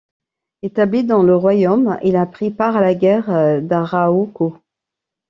Établi dans le royaume, il a pris part à la guerre d’Arauco.